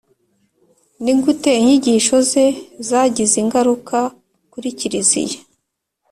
Ni gute inyigisho ze zagize ingaruka kuri Kiliziya